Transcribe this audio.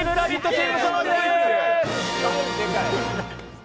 チーム勝利です！